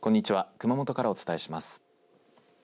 熊本からお伝えします。